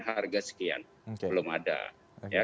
harga sekian belum ada